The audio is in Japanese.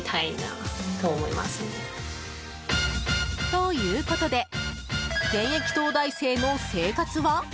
ということで現役東大生の生活は？